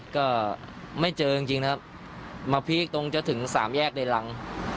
ก็ไม่เจอจริงนะครับมาพีคตรงจะถึงสามแยกในรัง